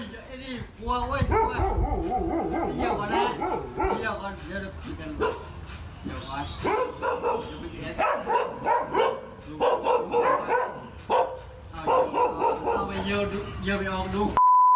เจ๋งเนี่ยลูก